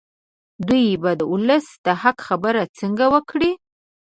دوی به د ولس د حق خبره څنګه وکړي.